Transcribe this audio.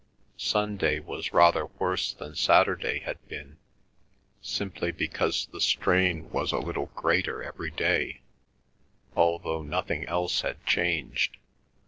Sunday was rather worse than Saturday had been, simply because the strain was a little greater every day, although nothing else had changed.